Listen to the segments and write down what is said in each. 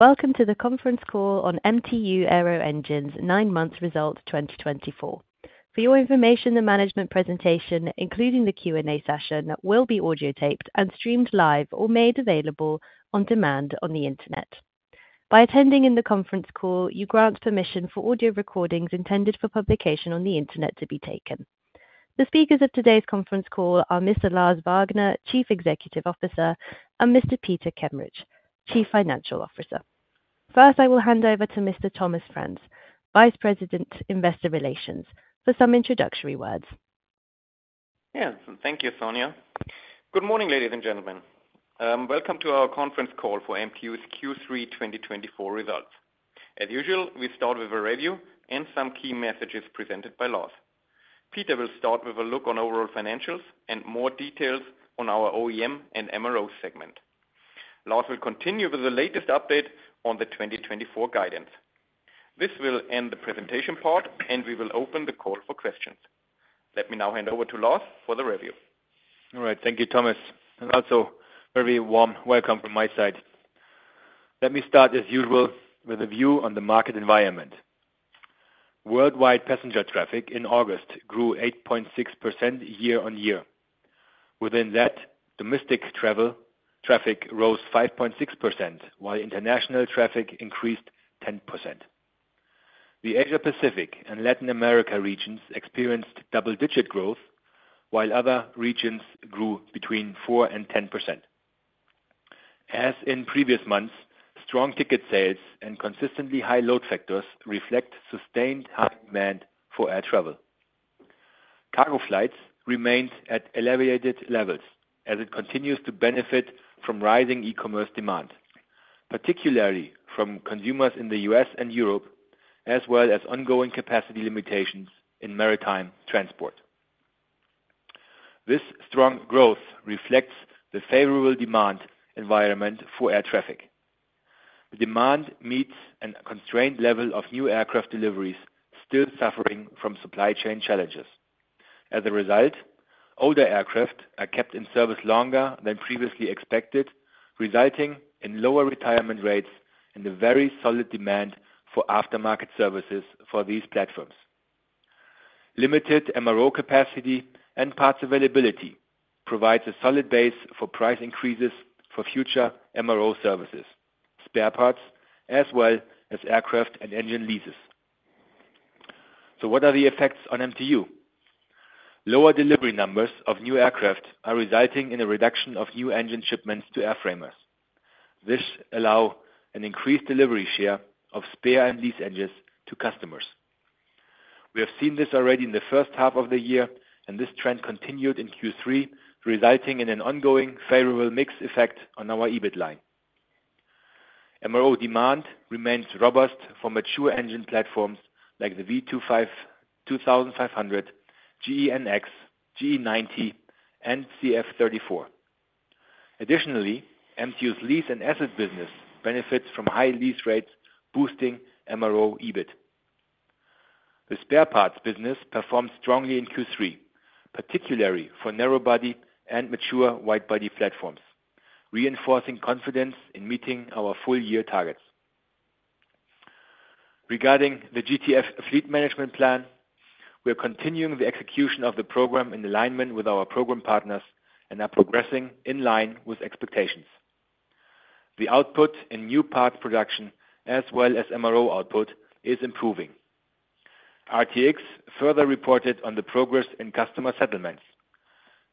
...Welcome to the conference call on MTU Aero Engines nine months results 2024. For your information, the management presentation, including the Q&A session, will be audio taped and streamed live or made available on demand on the Internet. By attending in the conference call, you grant permission for audio recordings intended for publication on the Internet to be taken. The speakers of today's conference call are Mr. Lars Wagner, Chief Executive Officer, and Mr. Peter Kameritsch, Chief Financial Officer. First, I will hand over to Mr. Thomas Franz, Vice President, Investor Relations, for some introductory words. Yeah, thank you, Sonia. Good morning, ladies and gentlemen. Welcome to our conference call for MTU's Q3 2024 results. As usual, we start with a review and some key messages presented by Lars. Peter will start with a look on overall financials and more details on our OEM and MRO segment. Lars will continue with the latest update on the 2024 guidance. This will end the presentation part, and we will open the call for questions. Let me now hand over to Lars for the review. All right, thank you, Thomas, and also very warm welcome from my side. Let me start, as usual, with a view on the market environment. Worldwide passenger traffic in August grew 8.6% year on year. Within that, domestic travel traffic rose 5.6%, while international traffic increased 10%. The Asia Pacific and Latin America regions experienced double digit growth, while other regions grew between 4% and 10%. As in previous months, strong ticket sales and consistently high load factors reflect sustained high demand for air travel. Cargo flights remained at elevated levels as it continues to benefit from rising e-commerce demand, particularly from consumers in the U.S. and Europe, as well as ongoing capacity limitations in maritime transport. This strong growth reflects the favorable demand environment for air traffic. The demand meets a constrained level of new aircraft deliveries still suffering from supply chain challenges. As a result, older aircraft are kept in service longer than previously expected, resulting in lower retirement rates and a very solid demand for aftermarket services for these platforms. Limited MRO capacity and parts availability provides a solid base for price increases for future MRO services, spare parts, as well as aircraft and engine leases. So what are the effects on MTU? Lower delivery numbers of new aircraft are resulting in a reduction of new engine shipments to airframers. This allow an increased delivery share of spare and lease engines to customers. We have seen this already in the first half of the year, and this trend continued in Q3, resulting in an ongoing favorable mix effect on our EBIT line. MRO demand remains robust for mature engine platforms like the V2500, GEnx, GE90 and CF34. Additionally, MTU's lease and asset business benefits from high lease rates, boosting MRO EBIT. The spare parts business performed strongly in Q3, particularly for narrow body and mature wide-body platforms, reinforcing confidence in meeting our full-year targets. Regarding the GTF fleet management plan, we are continuing the execution of the program in alignment with our program partners and are progressing in line with expectations. The output in new parts production as well as MRO output is improving. RTX further reported on the progress in customer settlements.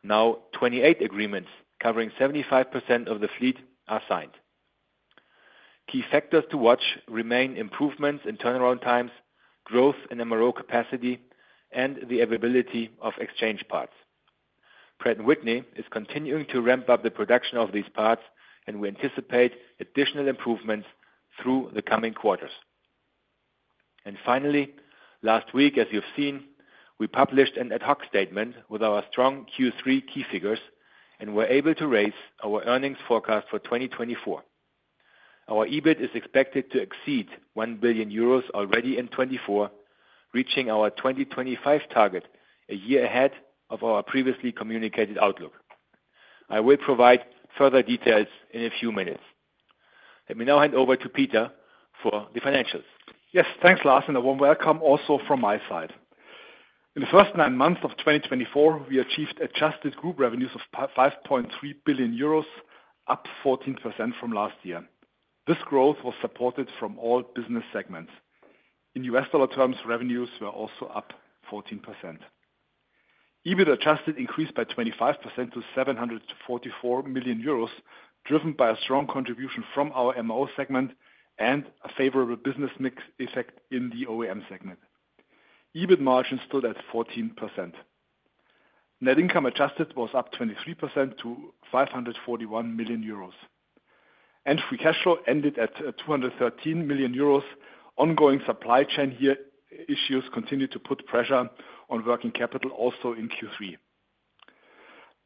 Now, 28 agreements covering 75% of the fleet are signed. Key factors to watch remain improvements in turnaround times, growth in MRO capacity, and the availability of exchange parts. Pratt & Whitney is continuing to ramp up the production of these parts, and we anticipate additional improvements through the coming quarters. And finally, last week, as you've seen, we published an ad hoc statement with our strong Q3 key figures, and we're able to raise our earnings forecast for 2024. Our EBIT is expected to exceed 1 billion euros already in 2024, reaching our 2025 target a year ahead of our previously communicated outlook. I will provide further details in a few minutes. Let me now hand over to Peter for the financials. Yes, thanks, Lars, and a warm welcome also from my side. In the first nine months of 2024, we achieved adjusted group revenues of 5.3 billion euros, up 14% from last year. This growth was supported from all business segments. In U.S. dollar terms, revenues were also up 14%. EBIT adjusted increased by 25% to 744 million euros, driven by a strong contribution from our MRO segment and a favorable business mix effect in the OEM segment. EBIT margin stood at 14%. Net income adjusted was up 23% to 541 million euros, and free cash flow ended at 213 million euros. Ongoing supply chain year issues continued to put pressure on working capital also in Q3.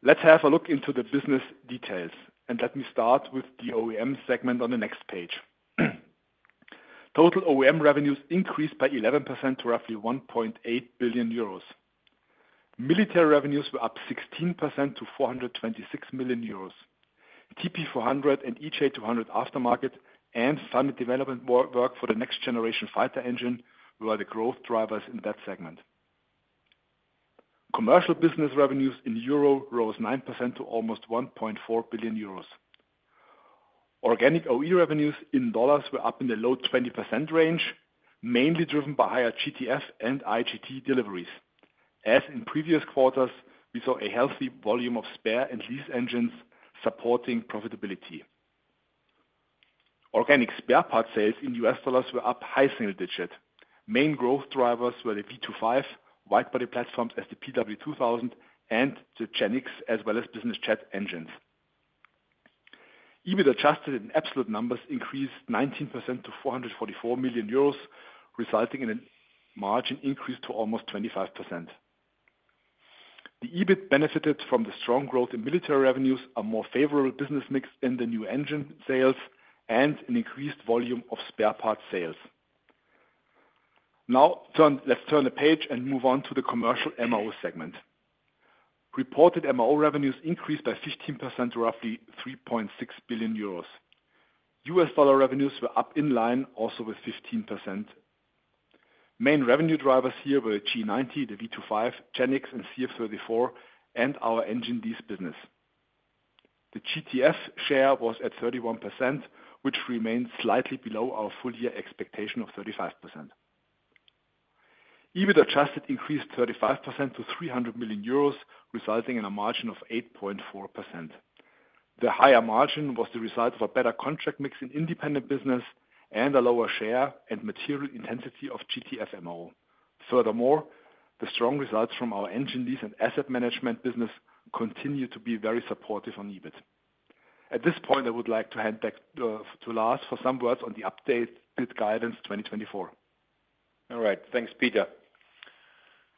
Let's have a look into the business details, and let me start with the OEM segment on the next page. Total OEM revenues increased by 11% to roughly 1.8 billion euros. Military revenues were up 16% to 426 million euros. TP400 and EJ200 aftermarket and some development work, work for the next generation fighter engine were the growth drivers in that segment. Commercial business revenues in euros rose 9% to almost 1.4 billion euros. Organic OE revenues in dollars were up in the low-20% range, mainly driven by higher GTF and IGT deliveries. As in previous quarters, we saw a healthy volume of spare and lease engines supporting profitability. Organic spare parts sales in US dollars were up high single digit. Main growth drivers were the V2500, wide body platforms as the PW2000 and the GEnx, as well as business jet engines. EBIT adjusted in absolute numbers increased 19% to 444 million euros, resulting in a margin increase to almost 25%. The EBIT benefited from the strong growth in military revenues, a more favorable business mix in the new engine sales, and an increased volume of spare parts sales. Now, let's turn the page and move on to the commercial MRO segment. Reported MRO revenues increased by 15% to roughly 3.6 billion euros. USD revenues were up in line, also with 15%. Main revenue drivers here were the GE90, the V2500, GEnx, and CF34, and our Engine Lease business. The GTF share was at 31%, which remains slightly below our full year expectation of 35%. EBIT adjusted increased 35% to 300 million euros, resulting in a margin of 8.4%. The higher margin was the result of a better contract mix in independent business and a lower share and material intensity of GTF MRO. Furthermore, the strong results from our Engine Lease and asset management business continue to be very supportive on EBIT. At this point, I would like to hand back to Lars for some words on the updated guidance 2024. All right, thanks, Peter.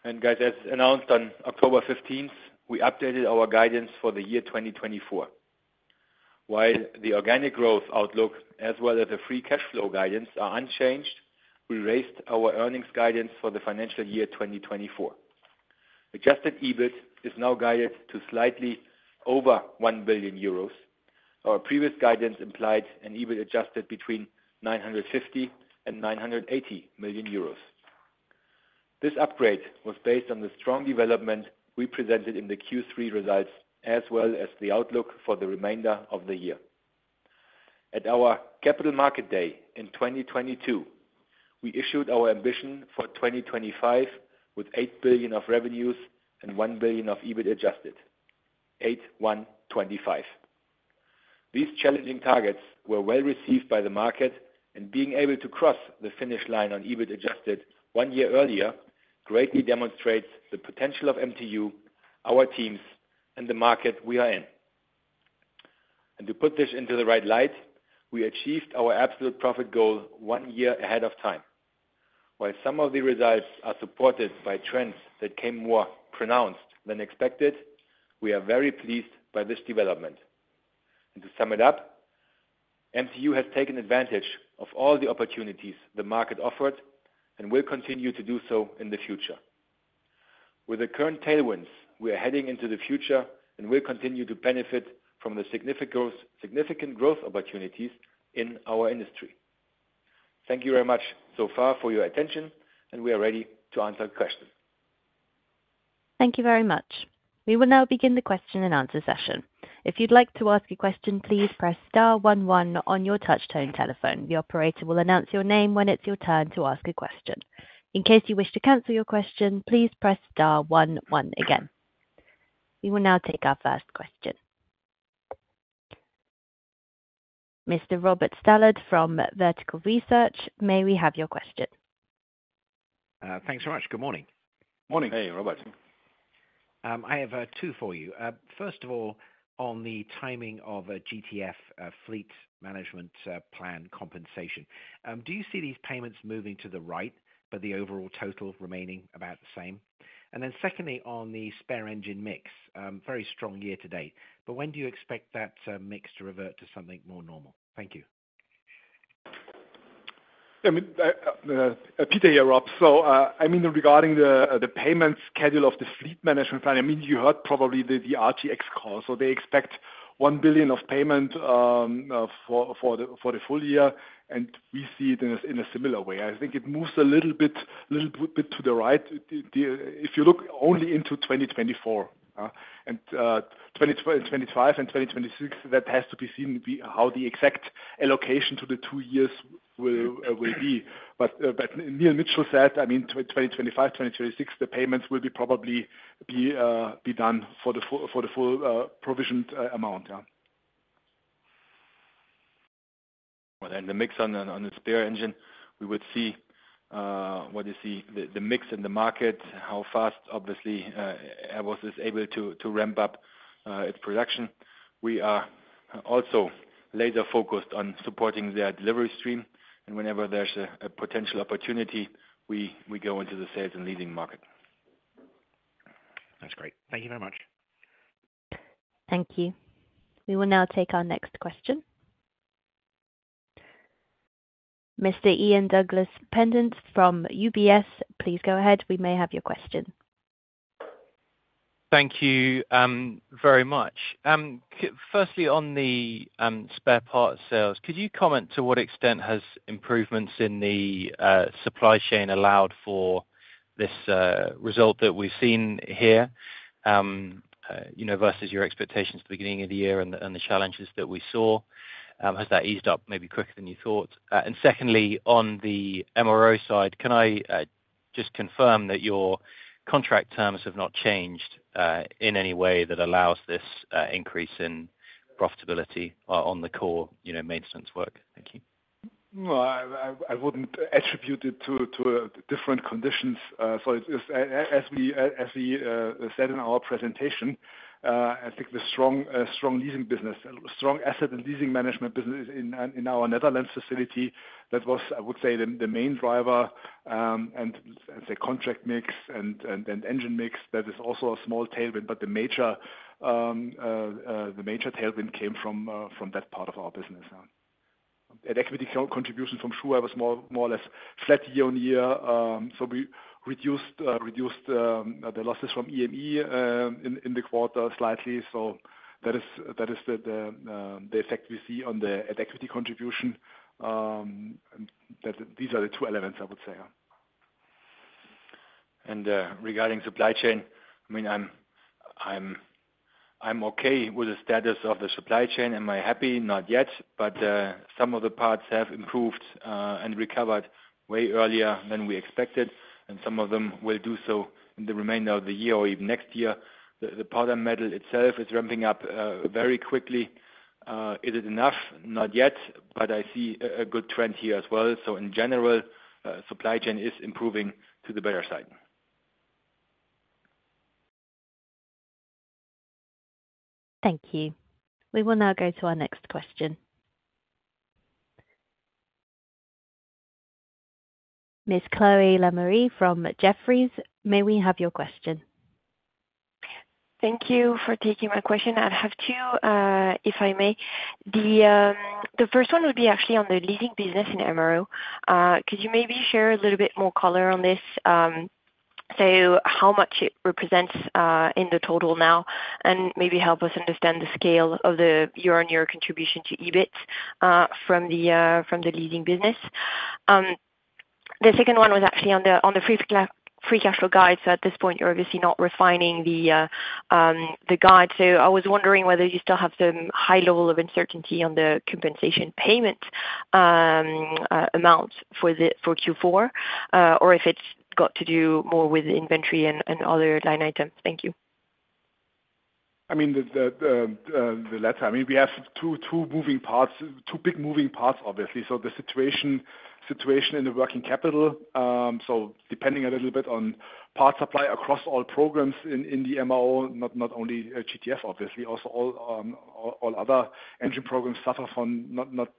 And guys, as announced on October 15th, we updated our guidance for the year 2024. While the organic growth outlook, as well as the free cash flow guidance, are unchanged, we raised our earnings guidance for the financial year 2024. Adjusted EBIT is now guided to slightly over 1 billion euros. Our previous guidance implied an EBIT adjusted between 950 million and 980 million euros. This upgrade was based on the strong development we presented in the Q3 results, as well as the outlook for the remainder of the year. At our Capital Market Day in 2022, we issued our ambition for 2025, with 8 billion of revenues and 1 billion of EBIT adjusted for 2025. These challenging targets were well received by the market, and being able to cross the finish line on EBIT adjusted one year earlier, greatly demonstrates the potential of MTU, our teams, and the market we are in. And to put this into the right light, we achieved our absolute profit goal one year ahead of time. While some of the results are supported by trends that came more pronounced than expected, we are very pleased by this development. And to sum it up, MTU has taken advantage of all the opportunities the market offered and will continue to do so in the future. With the current tailwinds, we are heading into the future and will continue to benefit from the significant growth, significant growth opportunities in our industry. Thank you very much so far for your attention, and we are ready to answer questions. Thank you very much. We will now begin the question and answer session. If you'd like to ask a question, please press star one one on your touchtone telephone. The operator will announce your name when it's your turn to ask a question. In case you wish to cancel your question, please press star one one again. We will now take our first question. Mr. Robert Stallard from Vertical Research, may we have your question? Thanks so much. Good morning. Morning. Hey, Robert. I have two for you. First of all, on the timing of a GTF fleet management plan compensation, do you see these payments moving to the right, but the overall total remaining about the same? And then secondly, on the spare engine mix, very strong year to date, but when do you expect that mix to revert to something more normal? Thank you. Yeah, I mean, Peter here, Rob. So, I mean, regarding the payment schedule of the Fleet Management Plan, I mean, you heard probably the RTX call, so they expect $1 billion of payment for the full year, and we see it in a similar way. I think it moves a little bit to the right. If you look only into 2024, and 2025 and 2026, that has to be seen how the exact allocation to the two years will be. But Neil Mitchill said, I mean, 2025, 2026, the payments will probably be done for the full provisioned amount. Yeah. The mix on the spare engine, we would see what you see, the mix in the market, how fast, obviously, Airbus is able to ramp up its production. We are also laser focused on supporting their delivery stream, and whenever there's a potential opportunity, we go into the sales and leasing market. That's great. Thank you very much. Thank you. We will now take our next question. Mr. Ian Douglas-Pennant from UBS, please go ahead. We may have your question. Thank you, very much. Firstly, on the spare parts sales, could you comment to what extent has improvements in the supply chain allowed for this result that we've seen here? You know, versus your expectations at the beginning of the year and the challenges that we saw, has that eased up maybe quicker than you thought? And secondly, on the MRO side, can I just confirm that your contract terms have not changed in any way that allows this increase in profitability on the core, you know, maintenance work? Thank you. I wouldn't attribute it to different conditions. So, as we said in our presentation, I think the strong leasing business, strong asset and leasing management business in our Netherlands facility, that was, I would say, the main driver. And the contract mix and engine mix, that is also a small tailwind. But the major tailwind came from that part of our business. And equity contribution from Zhuhai was more or less flat year-on-year. So we reduced the losses from EME in the quarter slightly. So that is the effect we see on the at-equity contribution. These are the two elements I would say, yeah. Regarding supply chain, I mean, I'm okay with the status of the supply chain. Am I happy? Not yet, but some of the parts have improved and recovered way earlier than we expected, and some of them will do so in the remainder of the year or even next year. The powder metal itself is ramping up very quickly. Is it enough? Not yet, but I see a good trend here as well. In general, supply chain is improving to the better side. Thank you. We will now go to our next question. Ms. Chloe Lemarie from Jefferies, may we have your question? Thank you for taking my question. I have two, if I may. The, the first one would be actually on the leasing business in MRO. Could you maybe share a little bit more color on this? So how much it represents, in the total now, and maybe help us understand the scale of the year-on-year contribution to EBIT, from the, from the leasing business? The second one was actually on the, on the free cash flow guide. So at this point, you're obviously not refining the, the guide. So I was wondering whether you still have some high level of uncertainty on the compensation payment, amounts for the, for Q4, or if it's got to do more with inventory and, and other line items. Thank you. I mean, the latter. I mean, we have two big moving parts, obviously. So the situation in the working capital, so depending a little bit on parts supply across all programs in the MRO, not only GTF, obviously, also all other engine programs suffer from not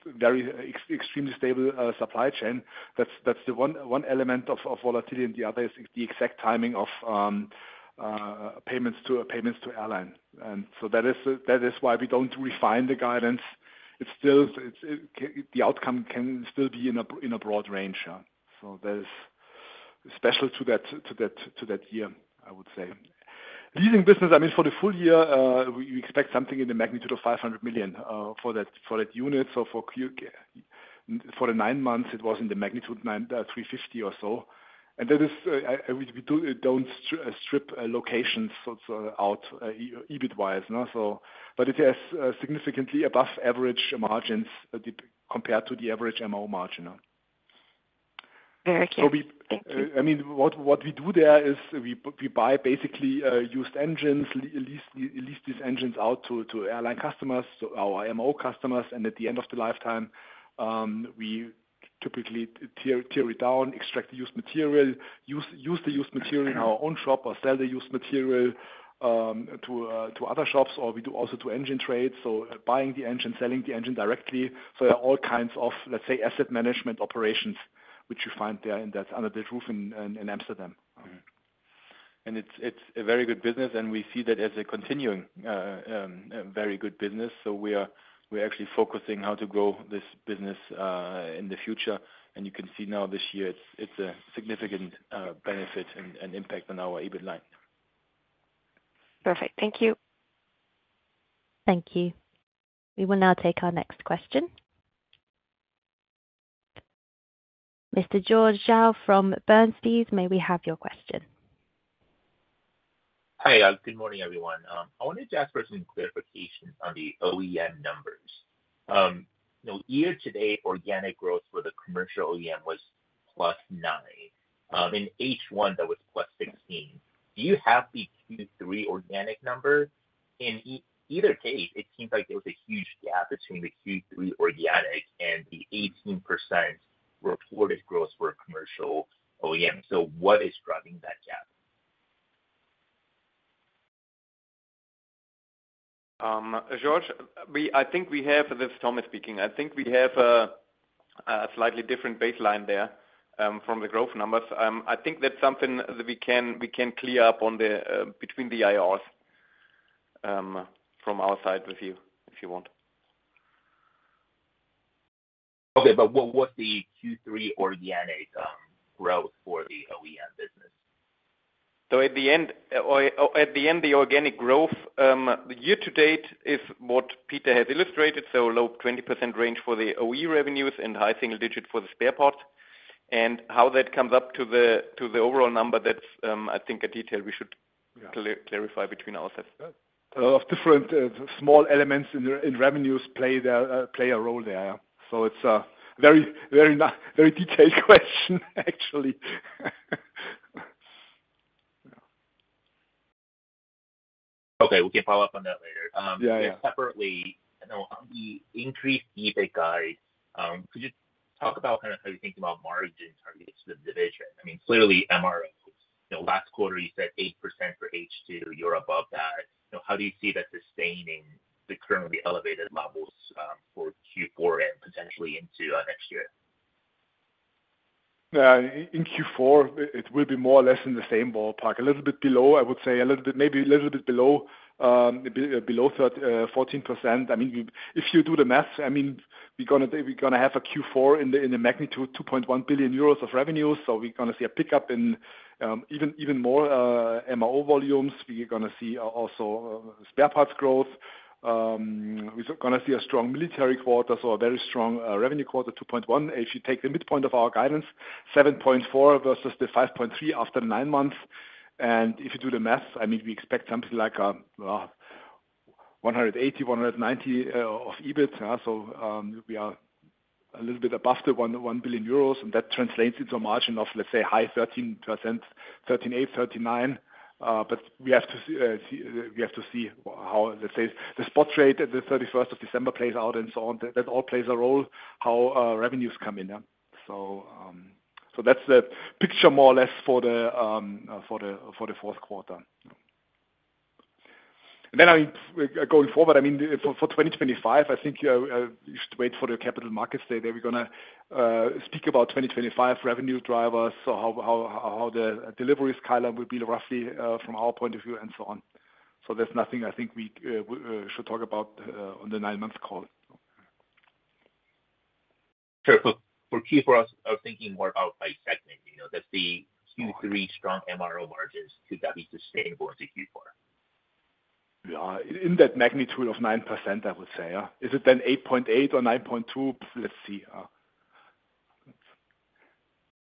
extremely stable supply chain. That's the one element of volatility, and the other is the exact timing of payments to airline. So that is why we don't refine the guidance. It's still, the outcome can still be in a broad range. So that is special to that year, I would say. Leasing business, I mean, for the full year, we expect something in the magnitude of 500 million for that unit. So for the nine months, it was in the magnitude of 350 or so. And that is, we don't strip locations sort of out EBIT wise, and so. But it is significantly above average margins dip compared to the average MRO margin. Very clear. Thank you. So, I mean, what we do there is we buy basically used engines, lease these engines out to airline customers, so our MRO customers. And at the end of the lifetime, we typically tear it down, extract the used material, use the used material in our own shop, or sell the used material to other shops, or we do also to engine trades, so buying the engine, selling the engine directly. So there are all kinds of, let's say, asset management operations, which you find there in that under the roof in Amsterdam. And it's a very good business, and we see that as a continuing very good business. So we're actually focusing how to grow this business in the future. You can see now this year, it's a significant benefit and impact on our EBIT line. Perfect. Thank you. Thank you. We will now take our next question. Mr. George Zhao from Bernstein, may we have your question? Hi, good morning, everyone. I wanted to ask for some clarification on the OEM numbers. You know, year-to-date, organic growth for the commercial OEM was plus 9%. In H1, that was plus 16%. Do you have the Q3 organic number? In either case, it seems like there was a huge gap between the Q3 organic and the 18% reported growth for commercial OEM. So what is driving that gap? George, this is Thomas speaking. I think we have a slightly different baseline there from the growth numbers. I think that's something that we can clear up between the IRs.... from our side with you, if you want. Okay, but what, what's the Q3 organic growth for the OEM business? So at the end, the organic growth year to date is what Peter has illustrated, so low 20% range for the OE revenues and high single-digit % for the spare part. And how that comes up to the overall number, that's a detail we should clarify between ourselves. A lot of different small elements in the revenues play a role there. So it's a very not very detailed question, actually. Yeah. Okay, we can follow up on that later. Yeah, yeah. Separately, I know on the increased EBIT guide, could you talk about kind of how you think about margins targets the division? I mean, clearly MRO, you know, last quarter you said 8% for H2, you're above that. You know, how do you see that sustaining the currently elevated levels, for Q4 and potentially into next year? In Q4, it will be more or less in the same ballpark. A little bit below, I would say a little bit, maybe a little bit below, below 14%. I mean, if you do the math, I mean, we're gonna have a Q4 in the magnitude of 2.1 billion euros of revenue. So we're gonna see a pickup in even more MRO volumes. We are gonna see also spare parts growth. We're gonna see a strong military quarter, so a very strong revenue quarter, 2.1 billion. If you take the midpoint of our guidance, 7.4 versus the 5.3 after nine months, and if you do the math, I mean, we expect something like 180-190 of EBIT, so we are a little bit above the 1.1 billion euros, and that translates into a margin of, let's say, high 13%, 13.8-13.9. But we have to see how, let's say, the spot rate at the 31st of December plays out and so on. That all plays a role, how revenues come in, yeah. So that's the picture more or less for the fourth quarter. Then, I mean, going forward, I mean, for 2025, I think you should wait for the Capital Markets Day. Then we're gonna speak about 2025 revenue drivers, so how the delivery skyline will be roughly from our point of view and so on. So there's nothing I think we should talk about on the nine-month call. Sure. For Q4, I was thinking more about by segment, you know, that the Q3 strong MRO margins could that be sustainable into Q4? In that magnitude of 9%, I would say, yeah. Is it then 8.8 or 9.2? Let's see.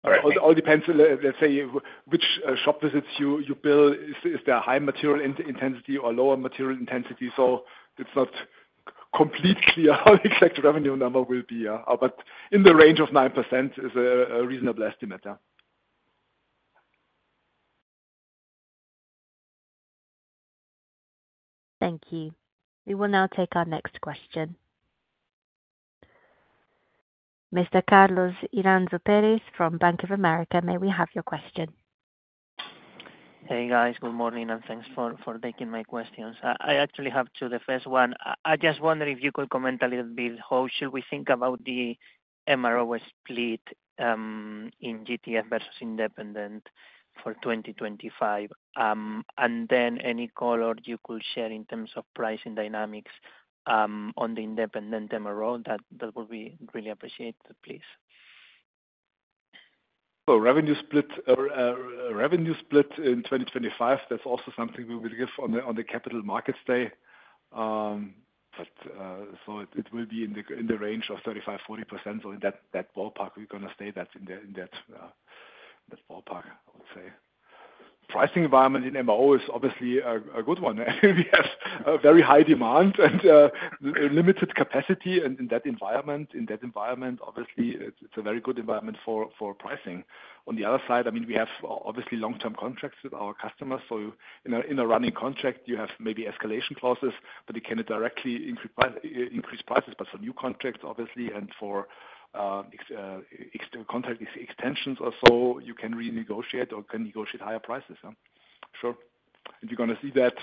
All right. It all depends, let's say, which shop visits you build. Is there high material intensity or lower material intensity? So it's not completely clear how the exact revenue number will be, but in the range of 9% is a reasonable estimate, yeah. Thank you. We will now take our next question. Mr. Carlos Iranzo from Bank of America, may we have your question? Hey, guys. Good morning, and thanks for taking my questions. I actually have two. The first one, I just wonder if you could comment a little bit. How should we think about the MRO split in GTF versus independent for 2025? And then any color you could share in terms of pricing dynamics on the independent MRO, that would be really appreciated, please. Revenue split in 2025, that's also something we will give on the Capital Markets Day. It will be in the range of 35%-40%. In that ballpark, we're gonna stay in that ballpark, I would say. Pricing environment in MRO is obviously a good one. We have a very high demand and limited capacity in that environment. Obviously, it's a very good environment for pricing. On the other side, I mean, we have obviously long-term contracts with our customers. In a running contract, you have maybe escalation clauses, but you cannot directly increase prices. But for new contracts, obviously, and for contract extensions or so, you can renegotiate or can negotiate higher prices, yeah, sure. And you're gonna see that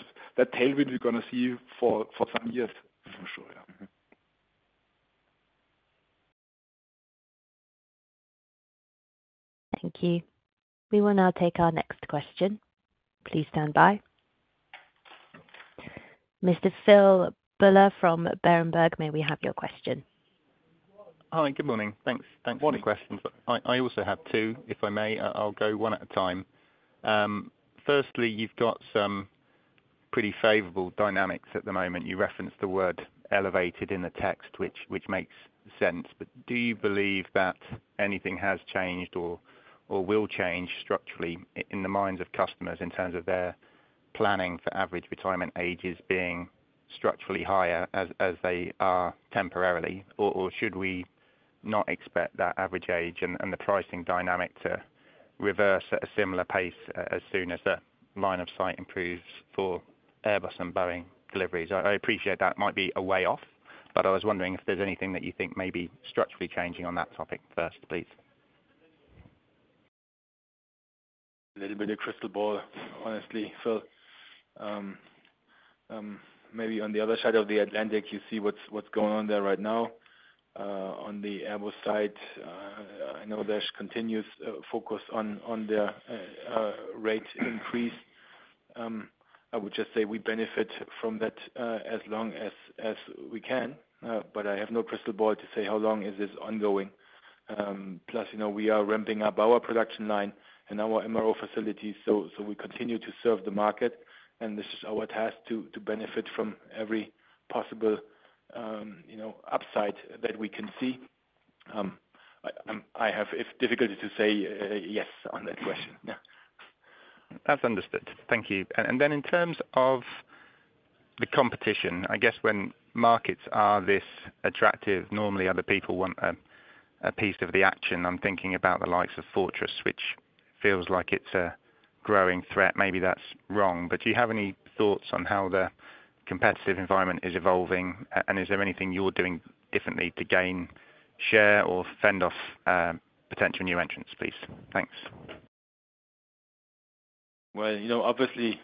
tailwind you're gonna see for some years, for sure, yeah, mm-hmm. Thank you. We will now take our next question. Please stand by. Mr. Phil Buller from Berenberg, may we have your question? Hi, good morning. Thanks. Thanks for the questions. I also have two, if I may. I'll go one at a time. Firstly, you've got some pretty favorable dynamics at the moment. You referenced the word elevated in the text, which makes sense, but do you believe that anything has changed or will change structurally in the minds of customers in terms of their planning for average retirement ages being structurally higher as they are temporarily? Or should we not expect that average age and the pricing dynamic to reverse at a similar pace as soon as the line of sight improves for Airbus and Boeing deliveries? I appreciate that might be a way off, but I was wondering if there's anything that you think may be structurally changing on that topic first, please. A little bit of crystal ball, honestly, Phil. Maybe on the other side of the Atlantic, you see what's going on there right now. On the Airbus side, I know there's continuous focus on their rate increase. I would just say we benefit from that as long as we can, but I have no crystal ball to say how long is this ongoing. Plus, you know, we are ramping up our production line and our MRO facilities, so we continue to serve the market, and this is our task to benefit from every possible, you know, upside that we can see. I have difficulty to say yes on that question. Yeah. That's understood. Thank you. And then in terms of the competition, I guess, when markets are this attractive, normally other people want a piece of the action. I'm thinking about the likes of Fortress, which feels like it's a growing threat. Maybe that's wrong, but do you have any thoughts on how the competitive environment is evolving, and is there anything you're doing differently to gain share or fend off potential new entrants, please? Thanks. You know, obviously,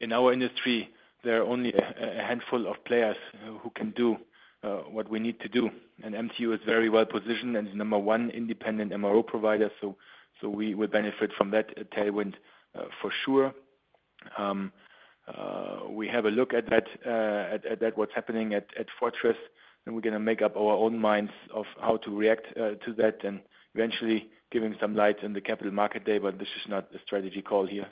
in our industry, there are only a handful of players who can do what we need to do, and MTU is very well positioned and is number one independent MRO provider, so we will benefit from that tailwind for sure. We have a look at that at what's happening at Fortress, and we're gonna make up our own minds of how to react to that and eventually giving some light in the capital market day. This is not a strategy call here.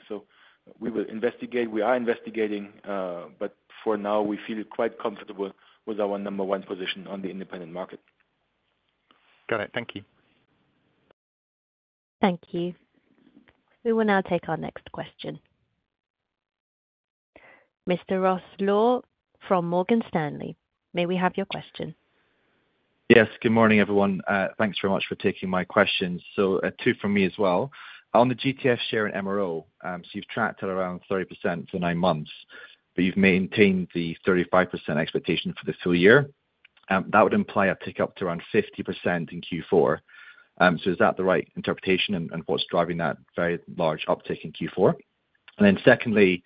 We will investigate. We are investigating, but for now, we feel quite comfortable with our number one position on the independent market. Got it. Thank you. Thank you. We will now take our next question. Mr. Ross Law from Morgan Stanley, may we have your question? Yes. Good morning, everyone. Thanks very much for taking my question. So, two from me as well. On the GTF share in MRO, so you've tracked at around 30% for nine months, but you've maintained the 35% expectation for the full year. That would imply a tick up to around 50% in Q4. So is that the right interpretation, and what's driving that very large uptick in Q4? And then secondly,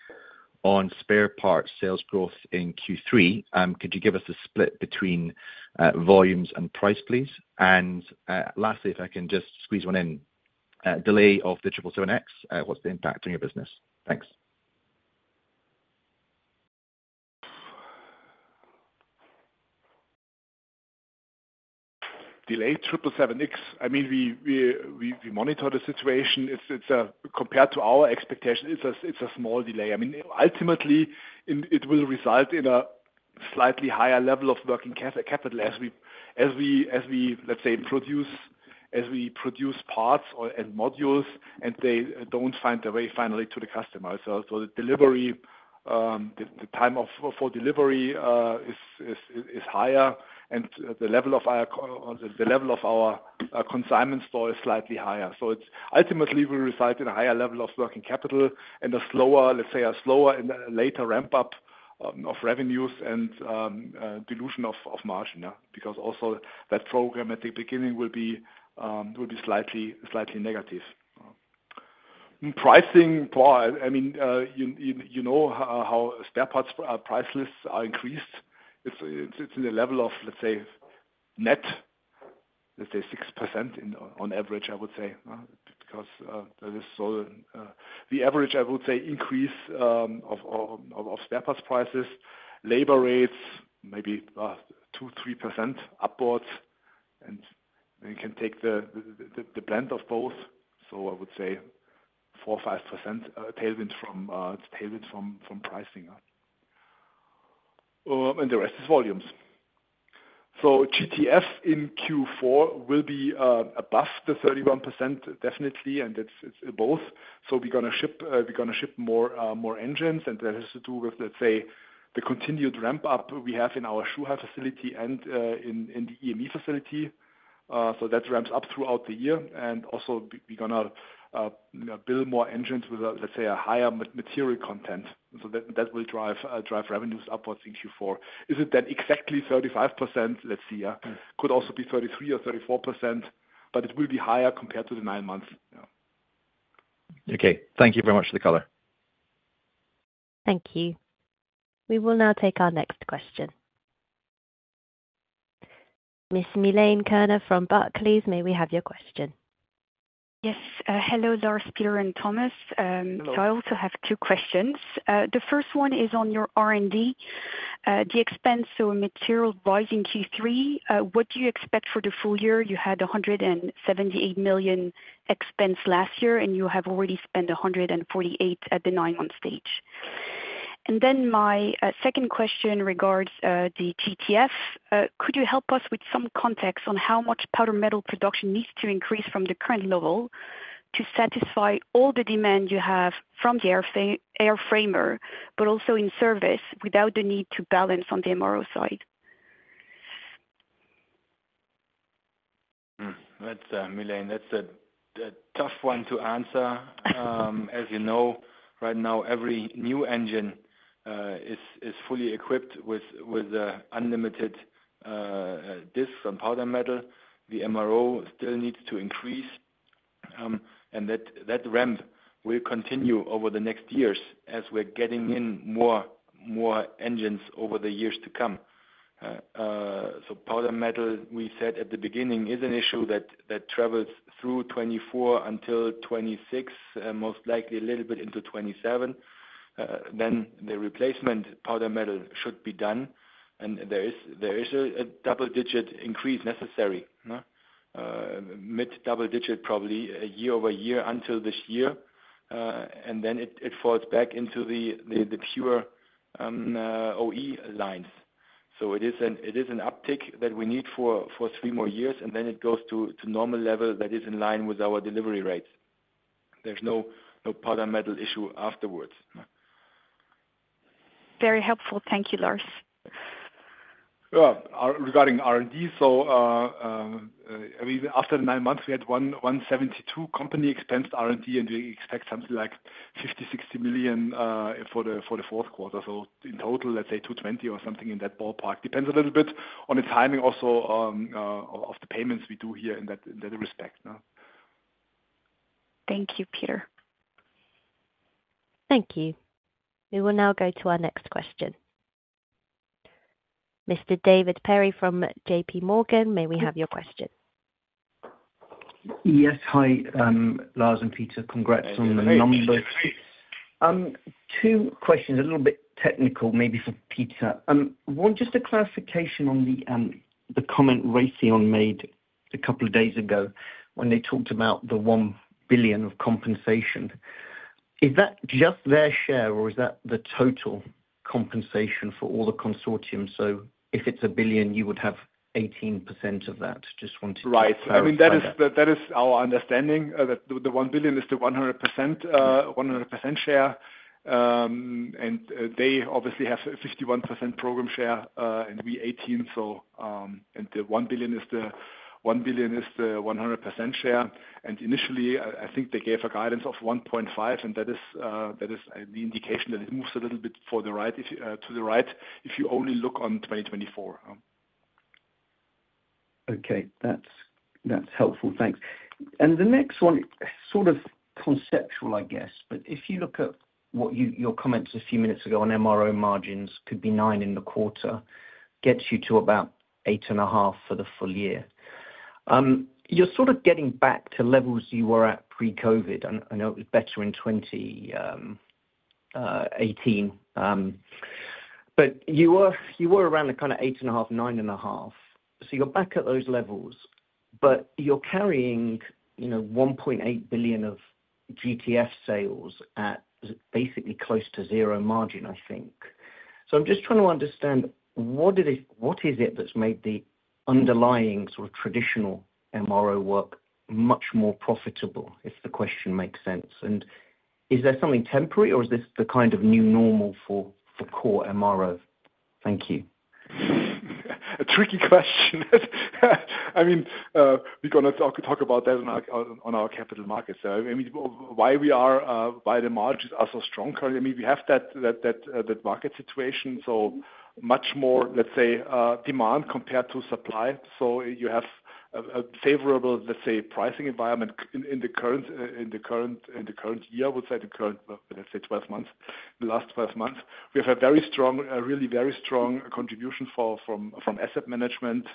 on spare parts sales growth in Q3, could you give us a split between volumes and price, please? And lastly, if I can just squeeze one in, delay of the 777X, what's the impact on your business? Thanks. Delay 777X, I mean, we monitor the situation. It's compared to our expectation, it's a small delay. I mean, ultimately, it will result in a slightly higher level of working capital as we, let's say, produce parts or modules, and they don't find their way finally to the customer. So the delivery, the time for delivery is higher and the level of our consignment stock is slightly higher. So it ultimately will result in a higher level of working capital and a slower, let's say, a slower and later ramp up of revenues and dilution of margin, yeah, because also that program at the beginning will be slightly negative. In pricing part, I mean, you know how spare parts prices are increased. It's in a level of, let's say, net, let's say 6% on average, I would say, because that is the average, I would say, increase of spare parts prices, labor rates, maybe 2-3% upwards, and we can take the blend of both. So I would say 4-5% tailwind from pricing. And the rest is volumes. So GTF in Q4 will be above the 31%, definitely, and it's both. So we're gonna ship more engines, and that has to do with, let's say, the continued ramp up we have in our Zhuhai facility and in the EME facility. So that ramps up throughout the year, and also we're gonna build more engines with, let's say, a higher material content. So that will drive revenues upwards in Q4. Is it exactly 35%? Let's see, could also be 33% or 34%, but it will be higher compared to the nine months, yeah. Okay. Thank you very much for the color. Thank you. We will now take our next question. Ms. Milene Kerner from Barclays, may we have your question? Yes. Hello, Lars, Peter, and Thomas. Hello. So I also have two questions. The first one is on your R&D, the expense, so material rise in Q3, what do you expect for the full year? You had 178 million expense last year, and you have already spent 148 million at the nine-month stage. And then my second question regards the GTF. Could you help us with some context on how much powder metal production needs to increase from the current level to satisfy all the demand you have from the airframer, but also in service without the need to balance on the MRO side? That's, Milene, a tough one to answer. As you know, right now, every new engine is fully equipped with unlimited discs from powder metal. The MRO still needs to increase. That ramp will continue over the next years as we're getting in more engines over the years to come. Powder metal, we said at the beginning, is an issue that travels through 2024 until 2026, most likely a little bit into 2027. The replacement powder metal should be done, and there is a double digit increase necessary. Mid-double digit, probably, year-over-year until this year. It falls back into the pure OE lines. It is an uptick that we need for three more years, and then it goes to normal level that is in line with our delivery rates. There's no powder metal issue afterwards. Very helpful. Thank you, Lars. Regarding R&D, I mean, after nine months, we had $172 million company expensed R&D, and we expect something like 50-60 million for the fourth quarter. So in total, let's say $220 or something in that ballpark. Depends a little bit on the timing also of the payments we do here in that respect. Thank you, Peter. Thank you. We will now go to our next question. Mr. David Perry from J.P. Morgan, may we have your question? Yes, hi, Lars and Peter. Congrats on the numbers. Hey. Two questions, a little bit technical, maybe for Peter. One, just a clarification on the comment Raytheon made a couple of days ago when they talked about the $1 billion of compensation. Is that just their share, or is that the total compensation for all the consortium? So if it's a $1 billion, you would have 18% of that. Just wanted to clarify that. Right. I mean, that is our understanding, that the 1 billion is the 100% share. And they obviously have 51% program share, and we 18%, so, and the 1 billion is the 100% share. And initially, I think they gave a guidance of 1.5 billion, and that is the indication that it moves a little bit to the right, if you only look on 2024. Okay. That's, that's helpful. Thanks. And the next one, sort of conceptual, I guess. But if you look at what your comments a few minutes ago on MRO margins could be 9% in the quarter, gets you to about 8.5% for the full year. You're sort of getting back to levels you were at pre-COVID, and I know it was better in 2018. But you were around the kind of 8.5%-9.5%. So you're back at those levels, but you're carrying, you know, $1.8 billion of GTF sales at basically close to 0% margin, I think. So I'm just trying to understand, what is it, what is it that's made the underlying sort of traditional MRO work much more profitable, if the question makes sense? Is there something temporary, or is this the kind of new normal for core MRO? Thank you. A tricky question. I mean, we're gonna talk about that on our capital markets. So, I mean, why the margins are so strong currently, I mean, we have that market situation, so much more, let's say, demand compared to supply. So you have a favorable, let's say, pricing environment in the current year, I would say the current twelve months, the last twelve months. We have a very strong, really very strong contribution from asset management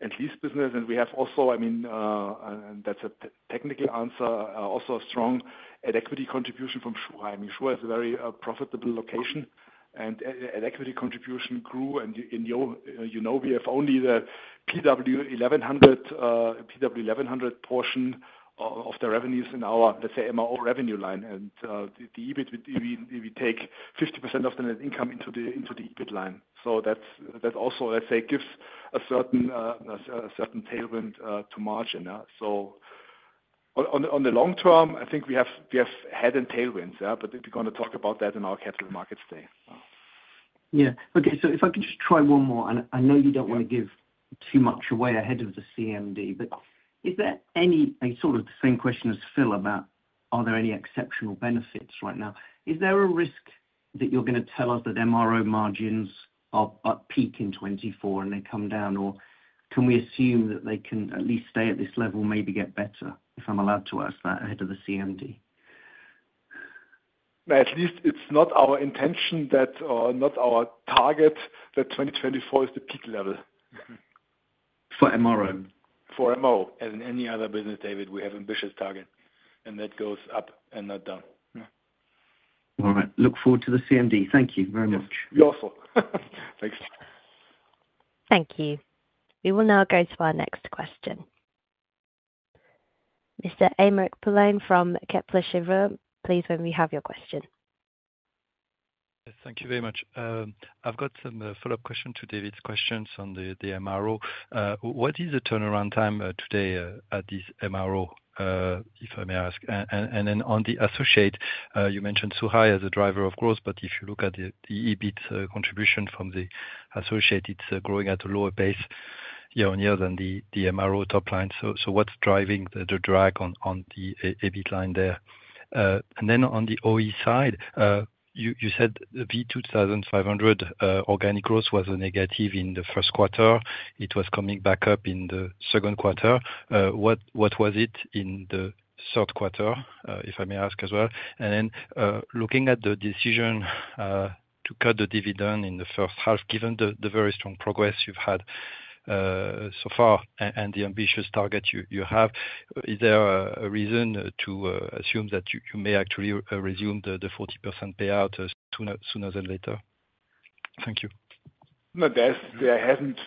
and lease business. And we have also, I mean, and that's a technical answer, also a strong equity contribution from Zhuhai. I mean, Zhuhai is a very profitable location, and equity contribution grew. You know, we have only the PW1100 PW1100 portion of the revenues in our, let's say, MRO revenue line. The EBIT, we take 50% of the net income into the EBIT line. That also, let's say, gives a certain tailwind to margin. On the long term, I think we have head and tailwinds, yeah, but we're gonna talk about that in our capital markets day. Yeah. Okay, so if I could just try one more, and I know you don't want to give too much away ahead of the CMD, but is there any... I sort of have the same question as Phil, about are there any exceptional benefits right now? Is there a risk that you're gonna tell us that MRO margins are peak in 2024, and they come down, or can we assume that they can at least stay at this level, maybe get better, if I'm allowed to ask that ahead of the CMD? At least it's not our intention that, or not our target, that 2024 is the peak level. For MRO? For MRO, as in any other business, David, we have ambitious target, and that goes up and not down. Yeah. All right. Look forward to the CMD. Thank you very much. You're welcome. Thanks. Thank you. We will now go to our next question. Mr. Aymeric Poulain from Kepler Cheuvreux, please, when we have your question. Thank you very much. I've got some follow-up question to David's questions on the MRO. What is the turnaround time today at this MRO, if I may ask? And then on the associate, you mentioned Shuhai as a driver, of course, but if you look at the EBIT contribution from the associate, it's growing at a lower pace year-on-year than the MRO top line. So what's driving the drag on the EBIT line there? And then on the OE side, you said the V2500 organic growth was a negative in the first quarter. It was coming back up in the second quarter. What was it in the third quarter, if I may ask as well? And then, looking at the decision to cut the dividend in the first half, given the very strong progress you've had so far, and the ambitious target you have, is there a reason to assume that you may actually resume the 40% payout sooner than later? Thank you. No, there's, there hasn't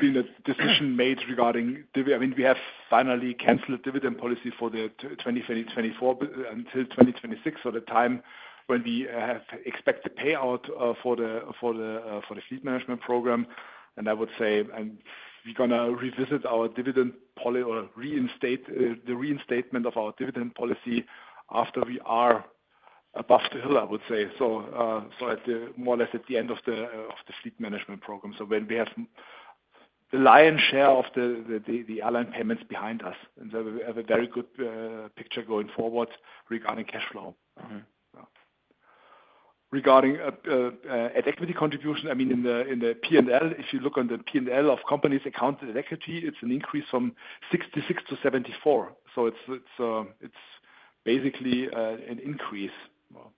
been a decision made regarding dividend. I mean, we have finally canceled dividend policy for 2024, but until 2026, so the time when we have expected payout for the fleet management program. And I would say, and we're gonna revisit our dividend policy or reinstate the reinstatement of our dividend policy after we are above the hill, I would say. So, so at the more or less at the end of the fleet management program. So when we have the lion's share of the airline payments behind us, and so we have a very good picture going forward regarding cash flow. Mm-hmm. Regarding at-equity contribution, I mean, in the P&L, if you look on the P&L of companies accounted in equity, it's an increase from 66-74. So it's basically an increase. Well,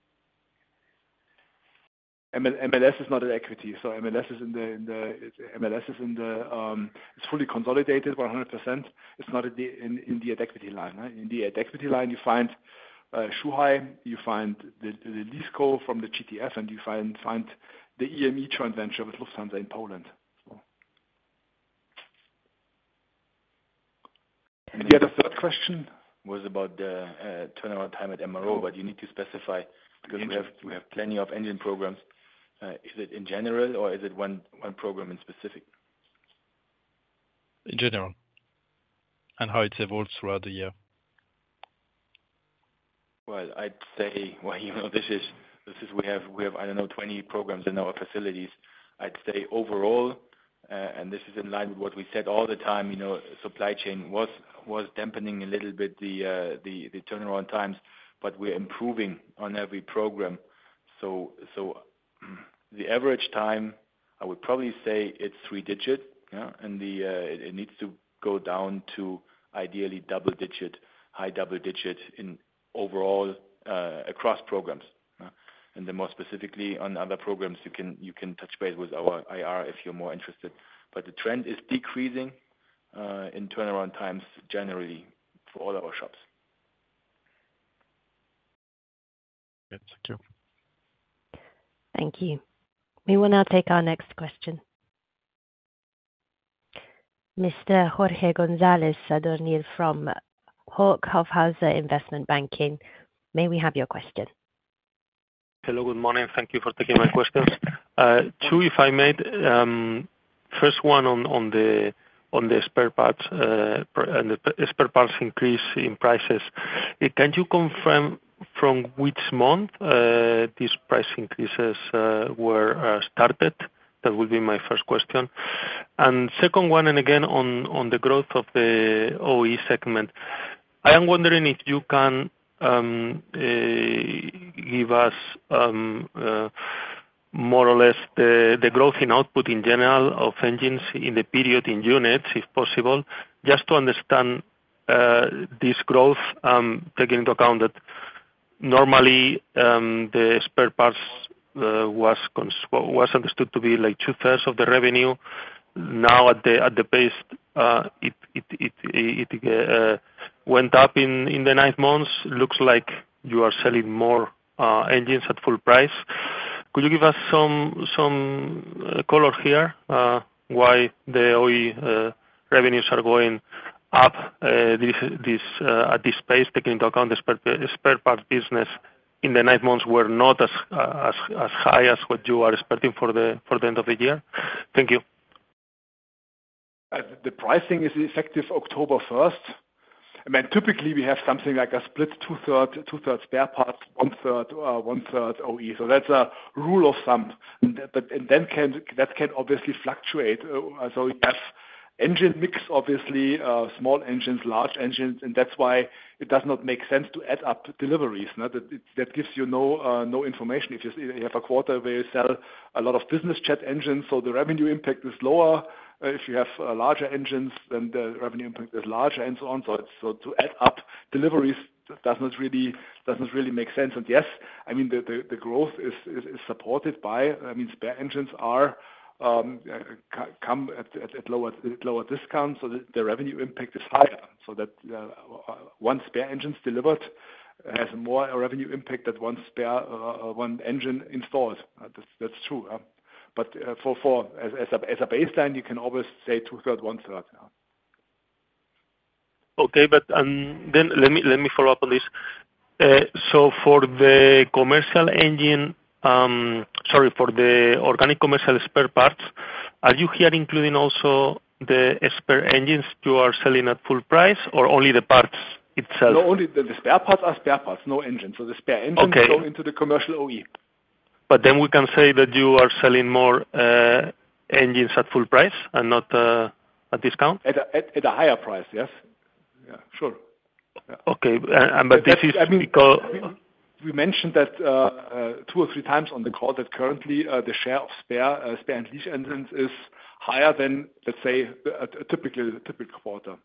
MLS is not an equity, so MLS is in the fully consolidated 100%. It's not in the at-equity line, right? In the at-equity line, you find Zhuhai, you find the lease co from the GTF, and you find the EME joint venture with Lufthansa in Poland. So. And the other third question was about the turnaround time at MRO, but you need to specify because we have plenty of engine programs. Is it in general or is it one program in specific? In general, and how it evolves throughout the year. Well, I'd say, well, you know, this is we have, I don't know, 20 programs in our facilities. I'd say overall, and this is in line with what we said all the time, you know, supply chain was dampening a little bit the turnaround times, but we're improving on every program. So the average time, I would probably say it's three digit. Yeah, and it needs to go down to ideally double digit, high double digit overall across programs. And then more specifically on other programs, you can touch base with our IR if you're more interested. But the trend is decreasing in turnaround times, generally for all our shops. Good. Thank you. Thank you. We will now take our next question. Mr. Jorge González Sadornil from Hauck Aufhäuser Investment Banking. May we have your question? Hello, good morning. Thank you for taking my questions. Two, if I may, first one on the spare parts and the spare parts increase in prices. Can you confirm from which month these price increases were started? That will be my first question. Second one, and again, on the growth of the OE segment, I am wondering if you can give us more or less the growth in output in general of engines in the period, in units, if possible, just to understand this growth, taking into account that normally the spare parts was understood to be like two-thirds of the revenue. Now, at the pace it went up in the nine months, looks like you are selling more engines at full price. Could you give us some color here, why the OEM revenues are going up at this pace, taking into account the spare parts business in the nine months were not as high as what you are expecting for the end of the year? Thank you. The pricing is effective October first. I mean, typically we have something like a split, two-thirds spare parts, one-third OE. So that's a rule of thumb. But that can obviously fluctuate. So you have engine mix, obviously, small engines, large engines, and that's why it does not make sense to add up deliveries. Now, that gives you no information. If you have a quarter where you sell a lot of business jet engines, so the revenue impact is lower. If you have larger engines, then the revenue impact is larger and so on. So to add up deliveries does not really make sense. Yes, I mean, the growth is supported by, I mean, spare engines come at lower discounts, so the revenue impact is higher, so that one spare engines delivered has more revenue impact than one spare, one engine installed. That's true, but for as a baseline, you can always say two-thirds, one-third. Okay. But, then let me follow up on this. So for the commercial engine, sorry, for the organic commercial spare parts, are you here including also the spare engines you are selling at full price or only the parts itself? No, only the spare parts are spare parts, no engines. So the spare engines- Okay. Go into the commercial OEM.... But then we can say that you are selling more engines at full price and not at discount? At a higher price, yes. Yeah, sure. Okay. But this is because- We mentioned that two or three times on the call, that currently the share of spare and lease engines is higher than, let's say, a typical quarter.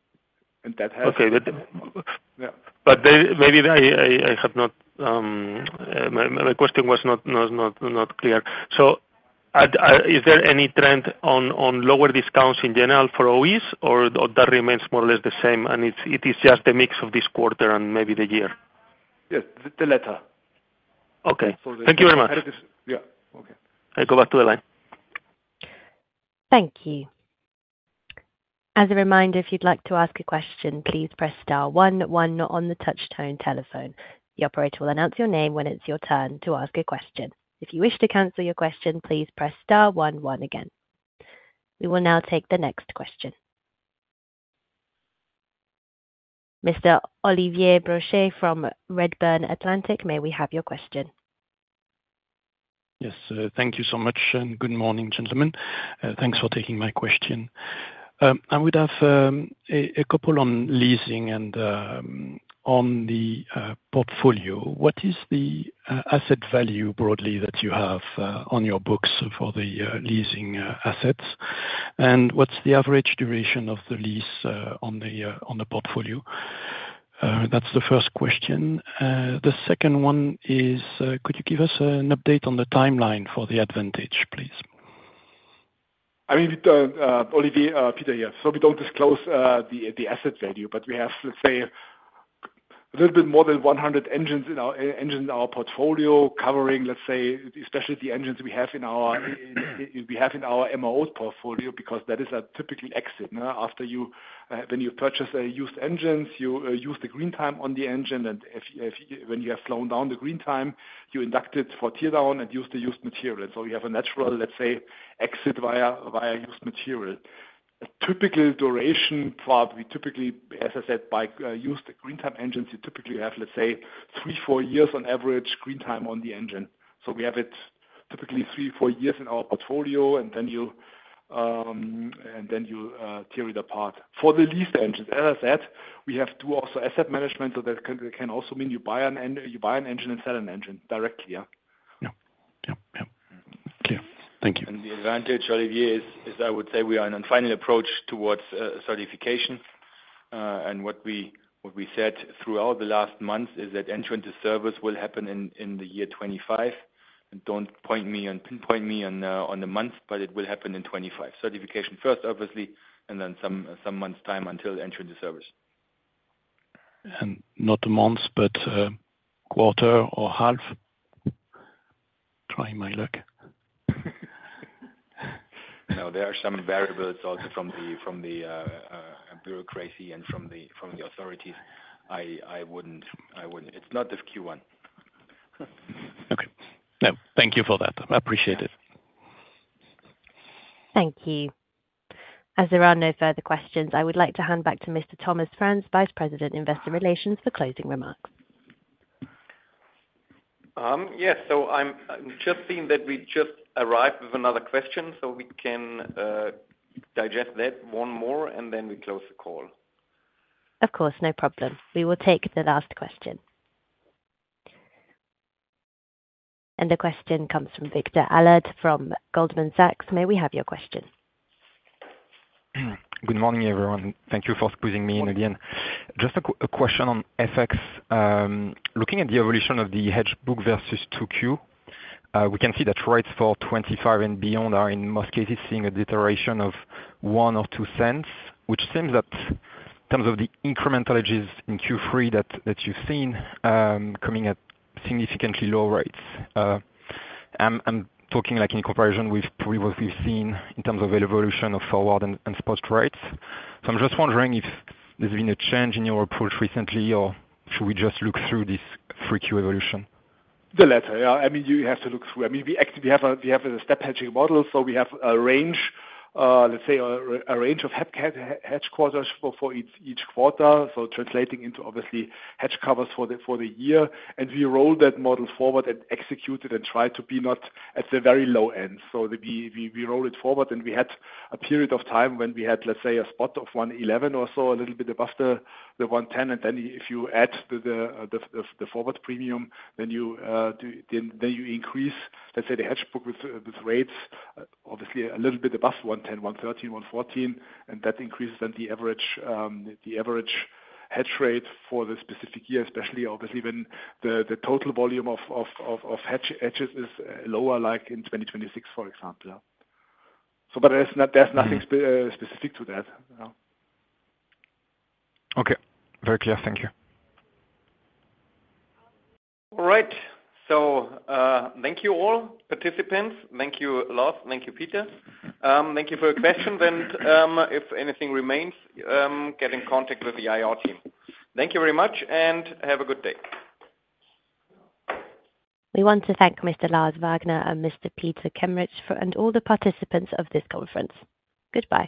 And that has- Okay. But- Yeah. But maybe I have not, my question was not clear. So, is there any trend on lower discounts in general for OEMs, or that remains more or less the same, and it is just a mix of this quarter and maybe the year? Yes, the latter. Okay. Thank you very much. Yeah. Okay. I go back to the line. Thank you. As a reminder, if you'd like to ask a question, please press star one, one on the touchtone telephone. The operator will announce your name when it's your turn to ask a question. If you wish to cancel your question, please press star one, one again. We will now take the next question. Mr. Olivier Brochet from Redburn Atlantic, may we have your question? Yes, thank you so much, and good morning, gentlemen. Thanks for taking my question. I would have a couple on leasing and on the portfolio. What is the asset value broadly that you have on your books for the leasing assets? And what's the average duration of the lease on the portfolio? That's the first question. The second one is, could you give us an update on the timeline for the Advantage, please? I mean, Olivier, Peter, yes. So we don't disclose the asset value, but we have, let's say, a little bit more than 100 engines in our engines in our portfolio, covering, let's say, especially the engines we have in our MRO portfolio, because that is a typical exit after you when you purchase used engines, you use the green time on the engine. And if when you have flown down the green time, you induct it for tear down and use the used materials. So you have a natural, let's say, exit via used material. A typical duration part, we typically, as I said, buy used green time engines, you typically have, let's say, 3-4 years on average, green time on the engine. So we have it typically three, four years in our portfolio, and then you tear it apart. For the lease engines, as I said, we have to do also asset management, so that can also mean you buy an engine and sell an engine directly, yeah. Yeah. Yep, yeah. Clear. Thank you. The Advantage, Olivier, is I would say we are on a final approach towards certification. What we said throughout the last month is that entry into service will happen in the year 2025. Don't pin me and pinpoint me on the month, but it will happen in 2025. Certification first, obviously, and then some months' time until entry into service. And not months, but quarter or half? Try my luck. No, there are some variables also from the bureaucracy and from the authorities. I wouldn't... It's not this Q1. Okay. Yeah, thank you for that. I appreciate it. Thank you. As there are no further questions, I would like to hand back to Mr. Thomas Franz, Vice President, Investor Relations, for closing remarks. Yes, so I'm just seeing that we just arrived with another question, so we can digest that one more, and then we close the call. Of course, no problem. We will take the last question. And the question comes from Victor Allard, from Goldman Sachs. May we have your question? Good morning, everyone. Thank you for squeezing me in again. Just a question on FX. Looking at the evolution of the hedge book versus Q2, we can see that rates for 2025 and beyond are, in most cases, seeing a deterioration of one or two cents, which seems that in terms of the incremental hedges in Q3 that you've seen coming at significantly lower rates. I'm talking like in comparison with what we've seen in terms of the evolution of forward and spot rates. So I'm just wondering if there's been a change in your approach recently, or should we just look through this Q3 evolution? The latter, yeah. I mean, you have to look through. I mean, we actually have a step hedging model, so we have a range, let's say, a range of hedge quarters for each quarter. So translating into obviously hedge covers for the year. We roll that model forward and execute it and try to be not at the very low end. We roll it forward, and we had a period of time when we had, let's say, a spot of one eleven or so, a little bit above the one ten. Then if you add the forward premium, then you increase, let's say, the hedge book with rates, obviously a little bit above 110, 113, 114. That increases then the average hedge rate for the specific year, especially obviously when the total volume of hedges is lower, like in 2026, for example. But there's nothing specific to that. Okay. Very clear. Thank you. All right. So, thank you all, participants. Thank you, Lars. Thank you, Peter. Thank you for your questions, and if anything remains, get in contact with the IR team. Thank you very much, and have a good day. We want to thank Mr. Lars Wagner and Mr. Peter Kameritsch and all the participants of this conference. Goodbye.